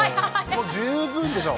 もう十分でしょう。